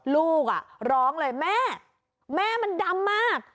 ลูกร้องเลยแม่แม่มันดำมาก